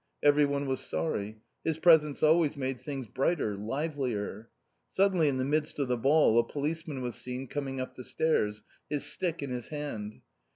Everyone was sorry. His presence always made things brighter, livelier. Suddenly, in the midst of the ball a policeman was seen coming up the stairs, his stick in his hand.